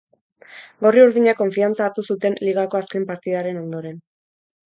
Gorri-urdinek konfiantza hartu zuten ligako azken partidaren ondoren.